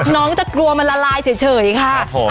น้องจะกลัวมันละลายเฉยค่ะ